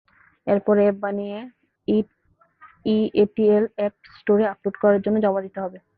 এরপর অ্যাপ বানিয়ে ইএটিএল অ্যাপ স্টোরে আপলোড করার জন্য জমা দিতে হবে।